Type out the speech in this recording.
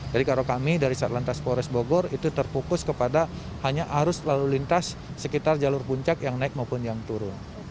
jadi kalau kami dari serlantas polres bogor itu terfokus kepada hanya arus lalu lintas sekitar jalur puncak yang naik maupun yang turun